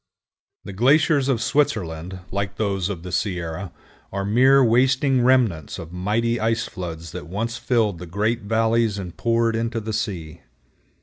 The glaciers of Switzerland, like those of the Sierra, are mere wasting remnants of mighty ice floods that once filled the great valleys and poured into the sea.